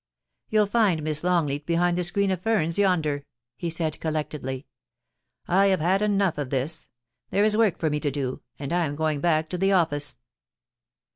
* You'll find Miss Longleat behind the screen of ferns yonder,' he said collectedly. * I have had enough of this. There is work for me to do, and I am going back to the office.'